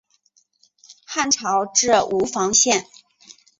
汉朝置吴房县。